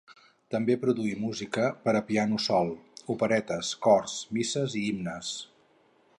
També produí música per a piano sol, operetes, cors, misses i himnes.